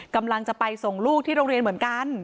กำลังจะไปส่งลูกที่โรงเรียนเหมือนกัน